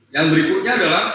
yang berikutnya adalah